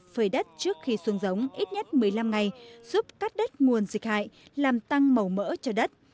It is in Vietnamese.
phơi đất trước khi xuống giống ít nhất một mươi năm ngày giúp cắt đất nguồn dịch hại làm tăng màu mỡ cho đất